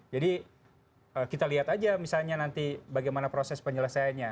jadi kita lihat saja misalnya nanti bagaimana proses penyelesaiannya